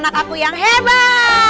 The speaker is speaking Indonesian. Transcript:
anak aku yang hebat